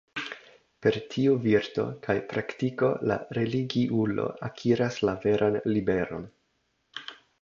Per tiu virto kaj praktiko la religiulo akiras la veran liberon.